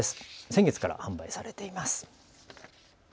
先月から販売されています。